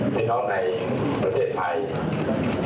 พี่น้องในประเทศไทย